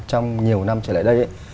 trong nhiều năm trở lại đây